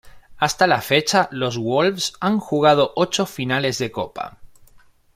Hasta la fecha los Wolves han jugado ocho finales de Copa.